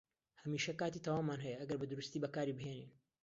هەمیشە کاتی تەواومان هەیە ئەگەر بەدروستی بەکاری بهێنین.